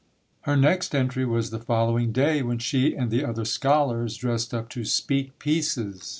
Her next entry was the following day when she and the other scholars dressed up to "speak pieces."